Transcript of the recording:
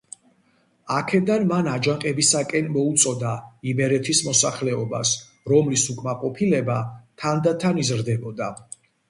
აქედან მან აჯანყებისაკენ მოუწოდა იმერეთის მოსახლეობას, რომლის უკმაყოფილება თანდათან იზრდებოდა.